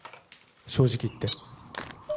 正直言って。